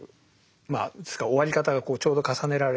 まあですから終わり方がちょうど重ねられてるんですね。